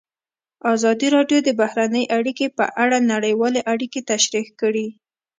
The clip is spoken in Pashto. ازادي راډیو د بهرنۍ اړیکې په اړه نړیوالې اړیکې تشریح کړي.